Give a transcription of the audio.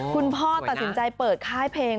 คุณพ่อตัดสินใจเปิดค่ายเพลง